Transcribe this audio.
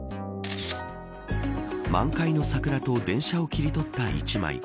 満開の桜と電車を切り取った一枚。